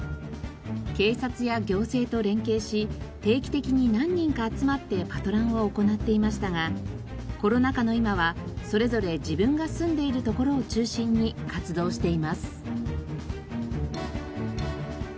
警察や行政と連携し定期的に何人か集まってパトランを行っていましたがコロナ禍の今はそれぞれ自分が住んでいる所を中心に活動しています。